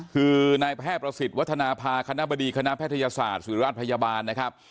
คือนายแพทย์ประสิทธิ์วัฒนภาคณะบดีคณะแพทยศาสตร์สุริราชพยาบาลนะครับ